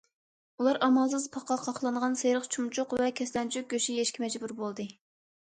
ئۇلار ئامالسىز پاقا، قاقلانغان سېرىق چۇمچۇق ۋە كەسلەنچۈك گۆشى يېيىشكە مەجبۇر بولدى.